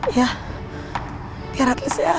iya tiar atlasnya